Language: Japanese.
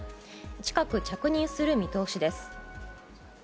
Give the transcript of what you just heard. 近く着任する見通しです。